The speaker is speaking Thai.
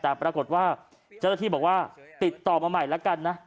แต่ปรากฏว่าเจ้าหน้าที่บอกว่าติดต่อมาใหม่แล้วกันนะ